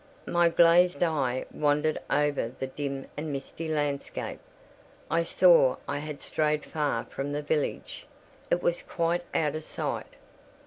My glazed eye wandered over the dim and misty landscape. I saw I had strayed far from the village: it was quite out of sight.